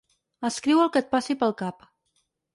Escriu el que et passi pel cap.